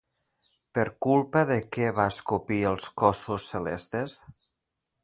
Per culpa de què va escopir els cossos celestes?